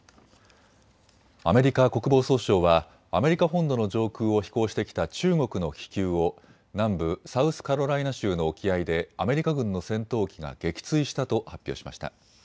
アメリカ国防総省はアメリカ本土の上空を飛行してきた中国の気球を南部サウスカロライナ州の沖合でアメリカ軍の戦闘機が撃墜したと発表しました。